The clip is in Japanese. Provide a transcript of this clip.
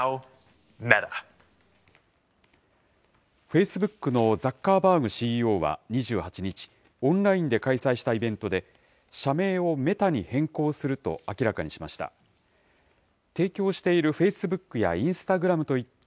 フェイスブックのザッカーバーグＣＥＯは２８日、オンラインで開催したイベントで、社名をメタに変更すると明らかにしました。